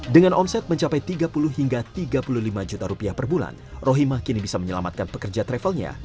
dengan omset mencapai tiga puluh hingga tiga puluh lima juta rupiah per bulan rohima kini bisa menyelamatkan pekerja travelnya